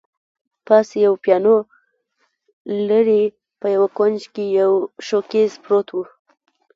پاس یوه پیانو، لیري په یوه کونج کي یو شوکېز پروت وو.